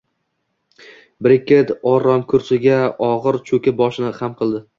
Brekket oromkursiga og`ir cho`kib, boshini xam qildi